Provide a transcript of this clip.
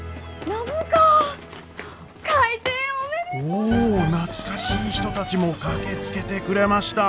お懐かしい人たちも駆けつけてくれました。